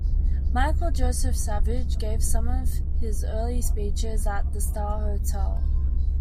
Michael Joseph Savage gave some of his early speeches at the Star Hotel.